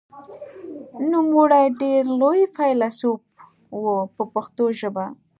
نوموړی ډېر لوی فیلسوف و په پښتو ژبه.